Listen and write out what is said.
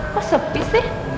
kok sepi sih